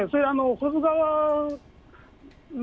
保津川の、